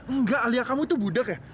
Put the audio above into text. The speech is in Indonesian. enggak alia kamu itu budak ya